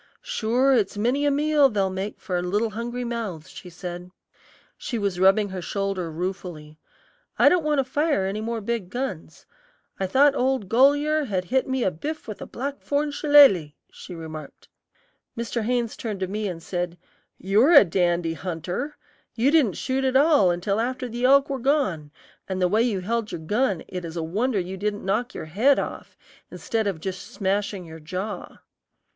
"Sure, it's many a meal they'll make for little hungry mouths," she said. She was rubbing her shoulder ruefully. "I don't want to fire any more big guns. I thought old Goliar had hit me a biff with a blackthorn shilaley," she remarked. Mr. Haynes turned to me and said, "You are a dandy hunter! you didn't shoot at all until after the elk were gone, and the way you held your gun it is a wonder it didn't knock your head off, instead of just smashing your jaw."